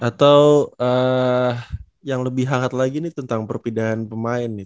atau yang lebih hangat lagi nih tentang perpindahan pemain nih